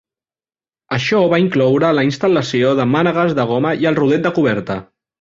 Això va incloure la instal·lació de mànegues de goma i el rodet de coberta.